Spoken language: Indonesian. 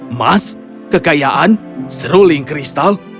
emas kekayaan seruling kristal